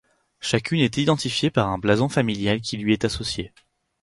Chacune est identifiée par un blason familial qui lui est associé.